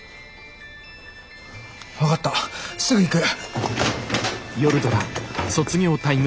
分かったすぐ行く。